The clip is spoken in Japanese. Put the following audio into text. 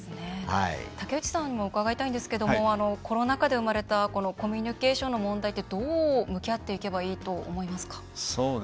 竹内さんにも伺いたいんですけどもコロナ禍で生まれたコミュニケーションの問題ってどう向き合っていけばいいと思いますか？